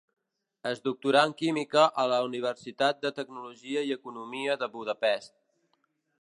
Es doctorà en química a la Universitat de Tecnologia i Economia de Budapest.